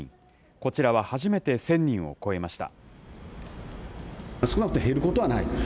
こちらは初めて１０００人を超えました。